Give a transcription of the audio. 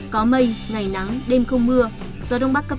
có mây ngày nắng đêm không mưa gió đông bắc cấp hai ba